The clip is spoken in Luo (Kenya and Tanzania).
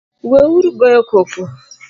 Weuru goyo koko